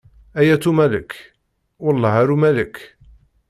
Ay at Umalek, welleh ar ulamek.